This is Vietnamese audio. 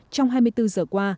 trong hai mươi bốn giờ qua